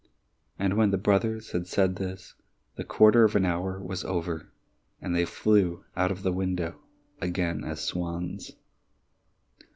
And when the brothers had said this, the quarter of an hour was over, and they flew out of the window again as swans.